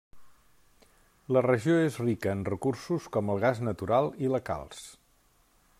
La regió és rica en recursos com el gas natural i la calç.